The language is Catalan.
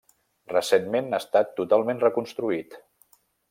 Recentment ha estat totalment reconstruït.